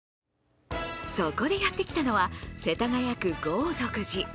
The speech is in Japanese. そこでやってきたのは世田谷区豪徳寺。